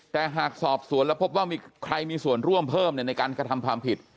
แต่หากสอบสวนแล้วพบว่ามีใครมีส่วนร่วมเพิ่มในการกระทำความผิด